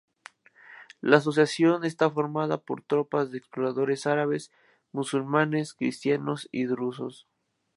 La asociación está formada por tropas de exploradores árabes, musulmanes, cristianos y drusos.